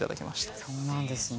そうなんですね。